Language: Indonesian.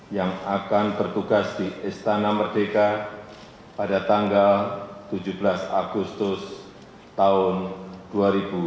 yang akan bertugas di istana merdeka pada tanggal tujuh belas agustus tahunnya